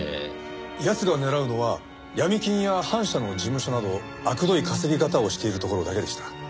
奴が狙うのは闇金や反社の事務所などあくどい稼ぎ方をしているところだけでした。